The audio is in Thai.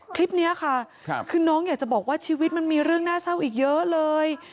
คลิปนี้ค่ะคือน้องอยากจะบอกว่าชีวิตมันมีเรื่องน่าเศร้าอีกเยอะเลย